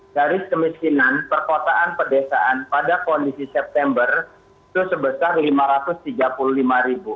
dari kemiskinan perkotaan pedesaan pada kondisi september itu sebesar lima ratus tiga puluh lima ribu